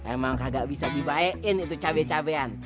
emang kagak bisa dibayain itu cape capean